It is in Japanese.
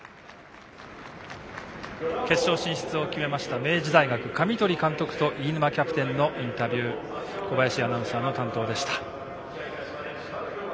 決勝進出を決めました明治大学神鳥監督と飯沼キャプテンのインタビュー小林アナウンサーの担当でした。